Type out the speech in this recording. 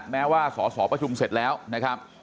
แม้ว่าสอสอประชุมเสร็จแล้วนะครับ